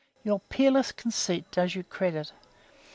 Your peerless conceit does you credit.